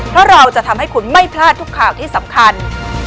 เพราะเราจะทำให้คุณไม่พลาดทุกข่าวที่สำคัญ